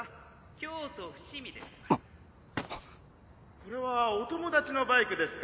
「これはお友達のバイクですか？」。